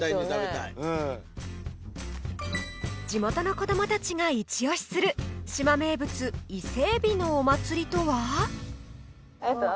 地元の子どもたちがイチ押しする志摩名物伊勢エビのお祭りとは？